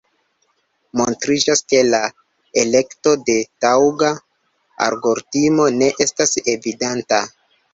Montriĝas, ke la elekto de taŭga algoritmo ne estas evidenta.